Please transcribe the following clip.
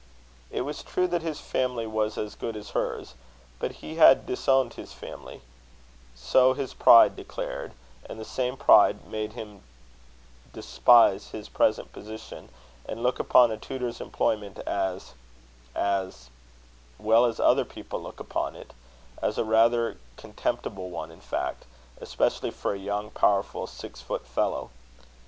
It was true that his family was as good as hers; but he had disowned his family so his pride declared; and the same pride made him despise his present position, and look upon a tutor's employment as as well, as other people look upon it; as a rather contemptible one in fact, especially for a young, powerful, six foot fellow.